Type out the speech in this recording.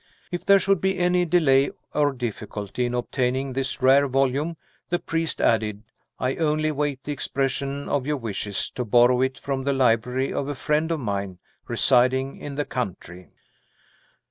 "If there should be any delay or difficulty in obtaining this rare volume," the priest added, "I only wait the expression of your wishes, to borrow it from the library of a friend of mine, residing in the country."